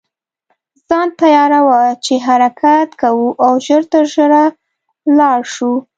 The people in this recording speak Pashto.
ځان تیاروه چې حرکت کوو او ژر تر ژره لاړ شو.